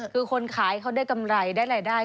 คือคนขายเขาได้กำไรได้รายได้